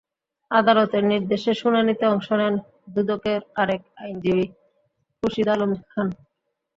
আদালতের নির্দেশে শুনানিতে অংশ নেন দুদকের আরেক আইনজীবী খুরশিদ আলম খান।